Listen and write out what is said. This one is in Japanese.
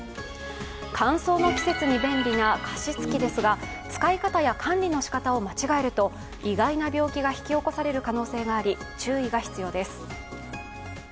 乾燥の季節に便利な加湿器ですが使い方や管理の仕方を間違えると意外な病気が引き起こされる可能性があり注意が必要です。